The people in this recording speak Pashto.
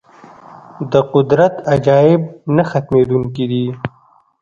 د قدرت عجایب نه ختمېدونکي دي.